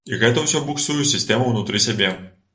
І гэта ўсё буксуе сістэму ўнутры сябе.